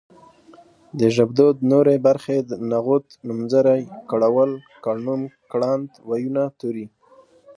د ژبدود نورې برخې نغوت نومځری کړول کړنوم کړند وييونه توري